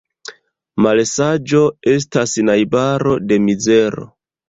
Malsaĝo estas najbaro de mizero.